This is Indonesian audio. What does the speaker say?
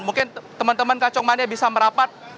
mungkin teman teman kacong mania bisa merapat